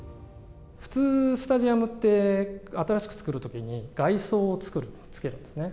普通、スタジアムって、新しく作るときに外装をつけるんですね。